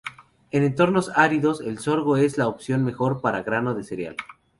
En entornos áridos, el sorgo es la opción mejor para grano de cereal.